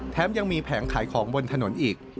ยังมีแผงขายของบนถนนอีก